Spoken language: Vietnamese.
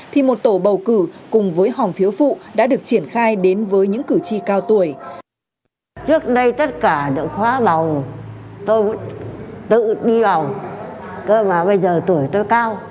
thì một tổ bầu cử cùng với hòm phiếu phụ đã được triển khai đến với những cử tri cao tuổi